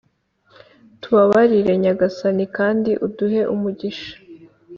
Tubabarire nyagasani kandi uduhe umugisha